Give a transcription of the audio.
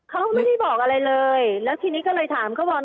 เขาไม่ได้บอกอะไรเลยแล้วทีนี้ก็เลยถามเขาบอล